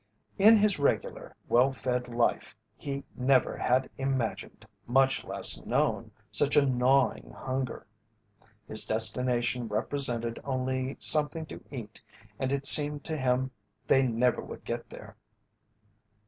In his regular, well fed life he never had imagined, much less known, such a gnawing hunger. His destination represented only something to eat and it seemed to him they never would get there.